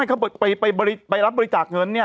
เขาไปรับบริจาคเงินเนี่ย